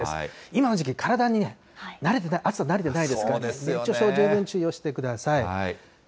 今の時期、体に慣れてない、暑さに慣れてないですからね、熱中症、十分、注意をしてください。